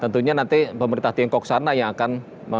tentunya nanti pemerintah tiongkok sana yang akan memiliki prosedur